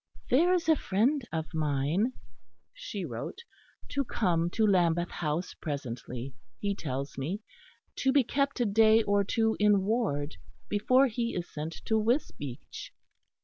"There is a friend of mine," she wrote, "to come to Lambeth House presently, he tells me, to be kept a day or two in ward before he is sent to Wisbeach.